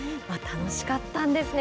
楽しかったんですね。